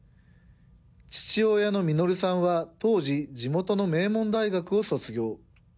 父親のミノルさんは当時、地元の名門大学を卒業。